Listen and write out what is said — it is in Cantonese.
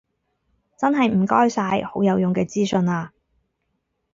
真係唔該晒，好有用嘅資訊啊